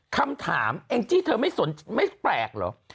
คำถามแองจี้เธอไม่สนไม่แปลกเหรอ